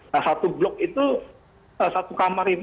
nah satu blok itu satu kamar itu